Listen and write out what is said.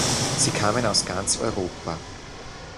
Sie kamen aus ganz Europa.